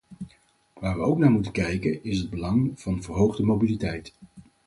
Waar we ook naar moeten kijken, is het belang van verhoogde mobiliteit.